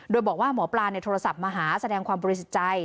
โดยบอกว่าหมอปลาโทรศัพท์มาหาแสดงความบริสุทธิ์ใจ